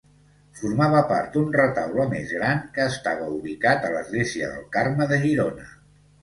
Formava part d'un retaule més gran que estava ubicat a l'Església del Carme de Girona.